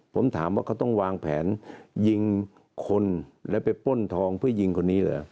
ผมถามว่าเขาต้องวางแผนยิงคนแล้วไปป้นทองเพื่อยิงคนนี้เหรอ